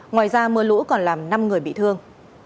ngoài ra mưa lũ còn làm năm người bị thương